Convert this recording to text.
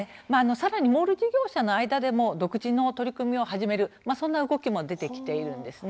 さらにモール事業者の間でも独自の取り組みを始めるそんな動きも出てきているんです。